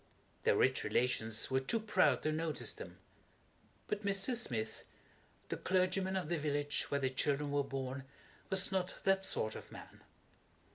Their rich relations were too proud to notice them. But Mr. Smith, the clergyman of the village where the children were born, was not that sort of a man.